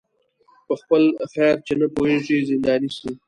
په خپل خیر چي نه پوهیږي زنداني سي